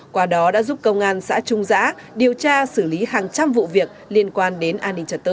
qua đó đã giúp công an xã trung giã điều tra xử lý hàng trăm vụ việc liên quan đến an ninh trật tự